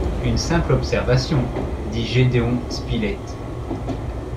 Une simple observation, dit Gédéon Spilett.